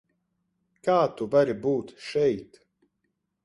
Kā tu vari būt šeit?